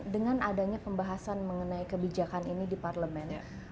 dengan adanya pembahasan mengenai kebijakan ini di parlemen